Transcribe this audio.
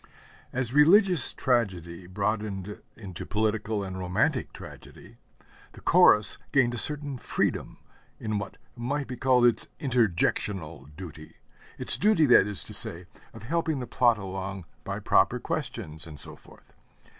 As religious tragedy broadened into political and romantic tragedy, the Chorus gained a certain freedom in what might be called its interjectional duty, its duty, that is to say, of helping the plot along by proper questions, and so forth.